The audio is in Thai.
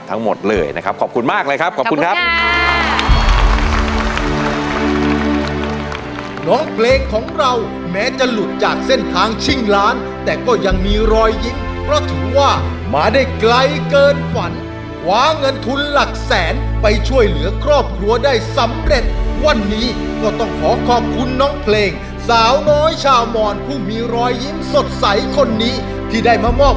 ทั้งหมดเลยนะครับขอบคุณมากเลยครับขอบคุณครับ